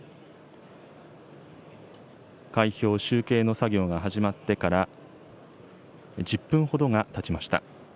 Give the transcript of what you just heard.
開票・集計の作業が始まってから１０分ほどがたちました。